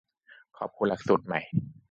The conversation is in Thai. ขอบคุณหลักสูตรใหม่